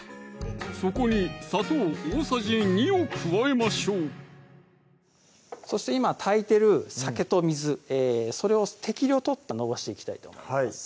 そこに砂糖大さじ２を加えましょうそして今炊いてる酒と水それを適量取って延ばしていきたいと思います